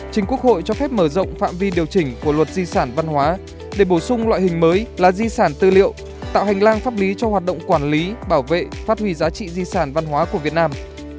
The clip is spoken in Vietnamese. chính quốc hội cho phép mở rộng phạm vi điều chỉnh của luật di sản văn hóa để bổ sung loại hình mới là di sản tư liệu tạo hành lang pháp lý cho hoạt động quản lý bảo vệ phát huy giá trị di sản văn hóa của việt nam